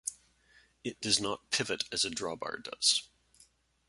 It does not pivot as a drawbar does.